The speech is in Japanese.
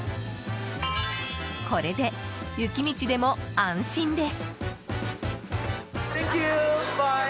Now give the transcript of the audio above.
これで雪道でも安心です。